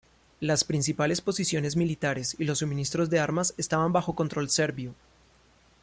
Las principales posiciones militares y los suministros de armas estaban bajo control serbio.